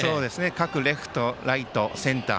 各レフトライト、センター